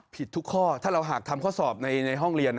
ผิดทุกข้อถ้าเราหากทำข้อสอบในห้องเรียน